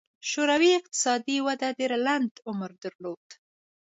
شوروي اقتصادي وده ډېر لنډ عمر درلود.